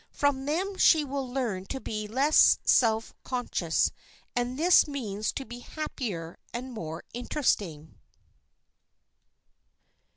From them she will learn to be less self conscious, and this means to be happier and more interesting.